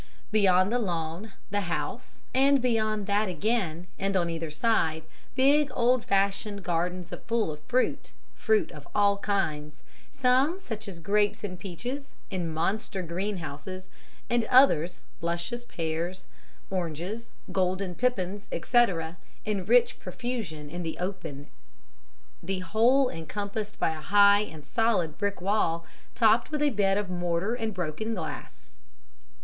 Beyond the lawn, the house, and beyond that again, and on either side, big, old fashioned gardens full of fruit fruit of all kinds, some, such as grapes and peaches, in monster green houses, and others luscious pears, blenheim oranges, golden pippins, etc. in rich profusion in the open, the whole encompassed by a high and solid brick wall, topped with a bed of mortar and broken glass.